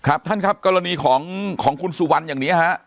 ครับท่านครับกรณีของคุณสุวรรณอย่างนี้ฮะ